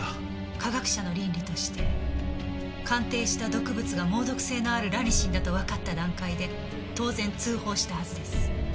科学者の倫理として鑑定した毒物が猛毒性のあるラニシンだとわかった段階で当然通報したはずです。